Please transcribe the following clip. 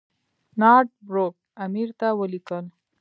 نارت بروک امیر ته ولیکل.